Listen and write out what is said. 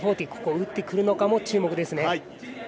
ここ、打ってくるのかも注目ですね。